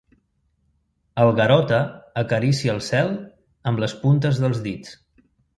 El Garota acaricia el cel amb les puntes dels dits.